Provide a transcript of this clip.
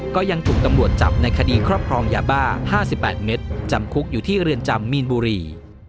ก็ยังถูกตำรวจจับในคดีครอบครองยาบ้า๕๘เม็ดจำคุกอยู่ที่เรือนจำมีนบุรี